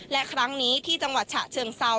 และครั้งนี้ที่จังหวัดฉะเชิงเซา